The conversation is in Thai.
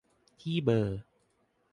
ที่เบอร์